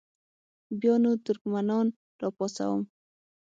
بیا نو ترکمنان را پاڅوم.